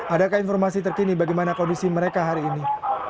adakah informasi terkini bagaimana kondisi mereka hari ini